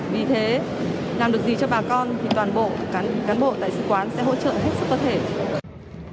vì thế làm được gì cho bà con thì toàn bộ cán bộ đại sứ quán sẽ hỗ trợ hết sức có thể